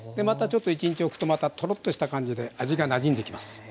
またちょっと１日おくととろっとした感じで味がなじんできます。